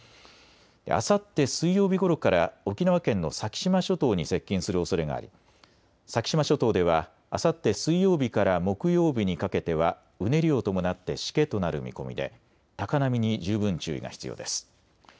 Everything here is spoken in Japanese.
あさって水曜日ごろから沖縄県の先島諸島に接近するおそれがあり先島諸島では、あさって水曜日から木８日にかけてはうねりを伴ってしけとなる見込みで高波に十分注意が必要です。